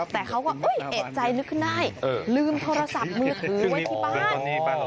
แต่เขาก็เอกใจนึกขึ้นได้ลืมโทรศัพท์มือถือไว้ที่บ้าน